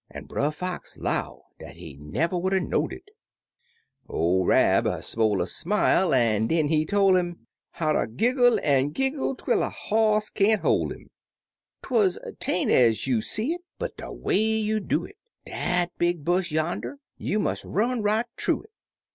An' Brer Fox 'low dat he never would 'a' know'd it ; or Rab smoie a smile, an' den he to!" 'im How ter giggle an' giggle twel a hoss can't hoi' 'im ; ■Twuz " 'Tain't ez you see it, but de way you do it— Dat big bush yander, you mus' run right thoo it."